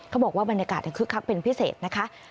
บอกว่าบรรยากาศคึกคักเป็นพิเศษนะคะ